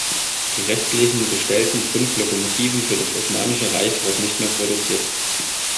Die restlichen bestellten fünf Lokomotiven für das Osmanische Reich wurden nicht mehr produziert.